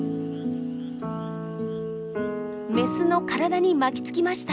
メスの体に巻きつきました。